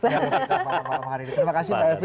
terima kasih mba evi